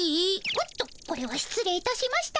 おっとこれはしつ礼いたしました。